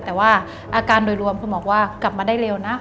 แต่ว่าอาการโดยรวมคุณหมอบอกว่ากลับมาได้เร็วนะ